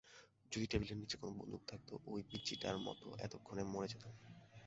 যদি টেবিলের নিচে কোনো বন্দুক থাকতো, ওই পিচ্চিটার মতো এতোক্ষণে মরে যেতাম।